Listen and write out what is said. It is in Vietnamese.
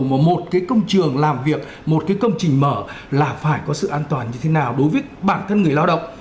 một cái công trường làm việc một cái công trình mở là phải có sự an toàn như thế nào đối với bản thân người lao động